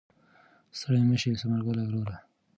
ستړی مه شې ثمر ګله وروره.